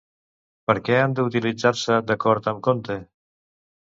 Per a què han d'utilitzar-se, d'acord amb Conte?